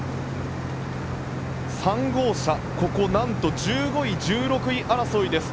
３号車、ここは何と１５位、１６位争いです。